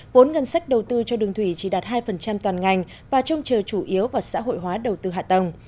vốn ngân sách đầu tư cho đường thủy chỉ đạt hai toàn ngành và trông chờ chủ yếu vào xã hội hóa đầu tư hạ tầng